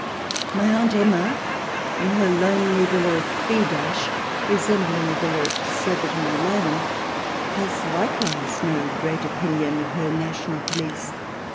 My Aunt Emma, in her lonely villa at B , 3§o THE DESIRABLE ALIEN [ch. xx resembling a villa at Surbiton or Laleham, has like wise no great opinion of her national police.